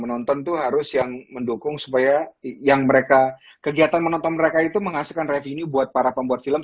menonton itu harus yang mendukung supaya yang mereka kegiatan menonton mereka itu menghasilkan revenue buat para pembuat film